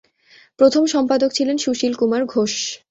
প্রথম সম্পাদক ছিলেন সুশীল কুমার ঘোষ।